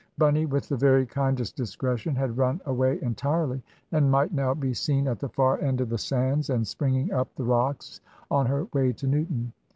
Bunny, with the very kindest discretion, had run away entirely, and might now be seen at the far end of the sands, and springing up the rocks, on her way to Newton.